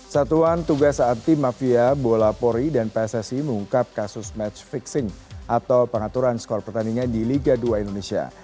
satuan tugas anti mafia bola pori dan pssi mengungkap kasus match fixing atau pengaturan skor pertandingan di liga dua indonesia